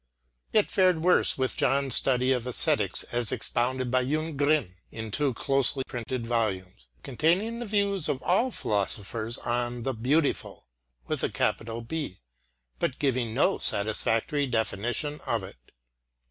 It fared worse with John's study of æsthetics as expounded by Ljunggren in two closely printed volumes, containing the views of all philosophers on the Beautiful, but giving no satisfactory definition of it.